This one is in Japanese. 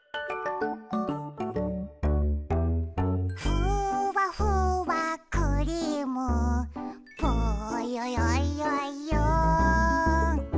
「ふわふわクリームぽよよよよん」